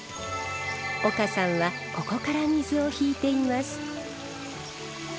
岡さんはここから水を引いています。